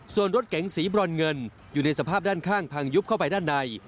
ส่วนรถเก๋งสีบรอนเงินอยู่ในสภาพด้านข้างพังยุบเข้าไปด้านใน